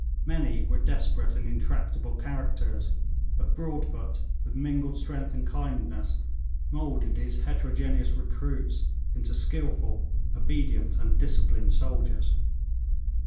Many were desperate and intractable characters, but Broadfoot, with mingled strength and kindness, moulded his heterogeneous recruits into skilful, obedient and disciplined soldiers.